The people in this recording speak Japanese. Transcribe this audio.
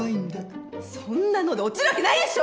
そんなので落ちるわけないでしょ！